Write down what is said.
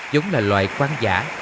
giống là loại quang giả